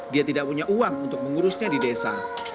dia tidak punya uang untuk mengurusnya di desa